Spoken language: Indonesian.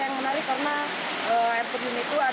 yang menarik karena air terjun itu ada tujuh susun